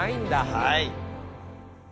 はい。